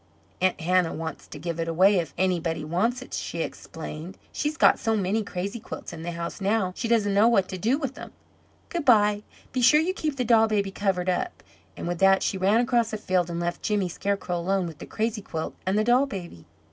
"Aunt Hannah wants to give it away if anybody wants it," she explained. "She's got so many crazy quilts in the house now she doesn't know what to do with them. Good bye be sure you keep the doll baby covered up." And with that she ran cross the field, and left Jimmy Scarecrow alone with the crazy quilt and the doll baby.